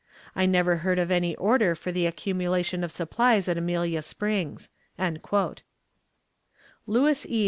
I never heard of any order for the accumulation of supplies at Amelia Springs." Lewis E.